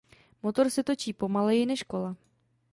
Motor se točí „pomaleji“ než kola.